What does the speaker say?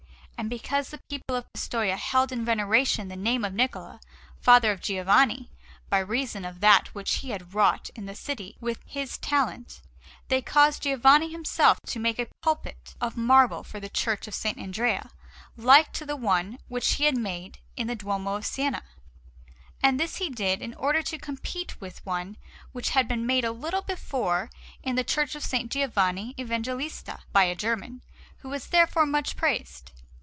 And because the people of Pistoia held in veneration the name of Niccola, father of Giovanni, by reason of that which he had wrought in that city with his talent, they caused Giovanni himself to make a pulpit of marble for the Church of S. Andrea, like to the one which he had made in the Duomo of Siena; and this he did in order to compete with one which had been made a little before in the Church of S. Giovanni Evangelista by a German, who was therefore much praised.